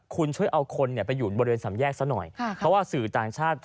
คุณช่วยเอาคนไปอยู่บริเวณสำแยกซะหน่อยเพราะว่าสื่อต่างชาติ